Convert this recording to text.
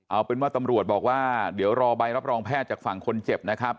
เอาเป็นว่าตำรวจบอกว่าเดี๋ยวรอใบรับรองแพทย์จากฝั่งคนเจ็บนะครับ